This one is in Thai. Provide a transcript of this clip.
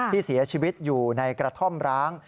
ที่เสียชีวิตอยู่ในกระท่อมร้าง